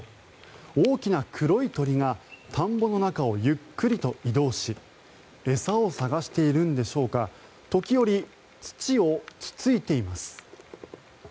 大きな黒い鳥が田んぼの中をゆっくりと移動し餌を探しているんでしょうか時折、土をつついています。